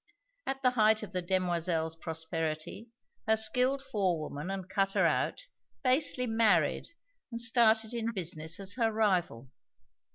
At the height of the demoiselle's prosperity her skilled forewoman and cutter out basely married and started in business as her rival.